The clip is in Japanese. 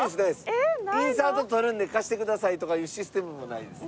インサート撮るんで貸してくださいとかいうシステムもないです。